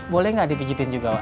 boleh gak dikijitin juga wak